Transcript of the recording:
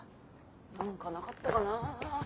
何かなかったかな。